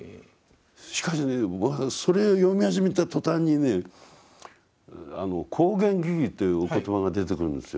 しかしねそれを読み始めた途端にね「光顔巍々」というお言葉が出てくるんですよ。